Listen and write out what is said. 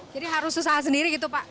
jadi harus usaha sendiri gitu pak